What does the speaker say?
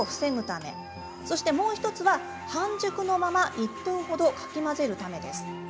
そしてもう１つは半熟のまま１分ほどかき混ぜるためです。